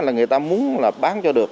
bán là người ta muốn là bán cho được